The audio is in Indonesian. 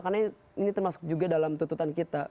karena ini termasuk juga dalam tuntutan kita